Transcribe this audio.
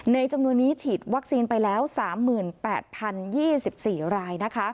จำนวนนี้ฉีดวัคซีนไปแล้ว๓๘๐๒๔ราย